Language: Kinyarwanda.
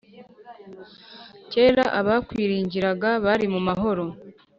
Kera abakwiringiraga bari mu mahoro